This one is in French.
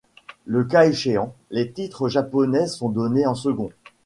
Le cas échéant, les titres japonais sont donnés en second.